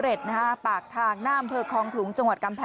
ซุดชอบยังเล็กอยู่เขื่อเข้าไป